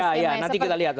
ya ya nanti kita lihat lah